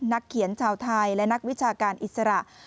นักเขียนชาวไทยและนักวิชาการอิสระ